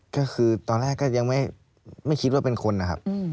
ก็คือตอนแรกก็ยังไม่คิดว่าเป็นคนนะครับ